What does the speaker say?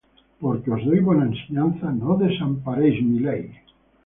Porque os doy buena enseñanza; No desamparéis mi ley.